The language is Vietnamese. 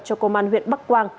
cho công an huyện bắc quang